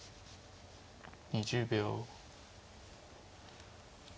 ２０秒。